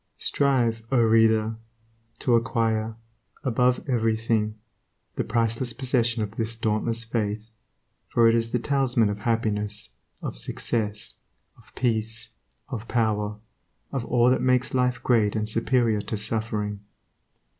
Strive, O reader! to acquire, above everything, the priceless possession of this dauntless faith, for it is the talisman of happiness, of success, of peace, of power, of all that makes life great and superior to suffering.